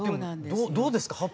でもどうですか？